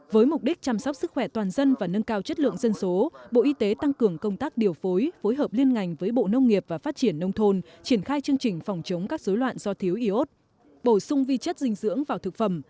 với mục đích chăm sóc sức khỏe toàn dân và nâng cao chất lượng dân số bộ y tế tăng cường công tác điều phối phối hợp liên ngành với bộ nông nghiệp và phát triển nông thôn triển khai chương trình phòng chống các dối loạn do thiếu iốt bổ sung vi chất dinh dưỡng vào thực phẩm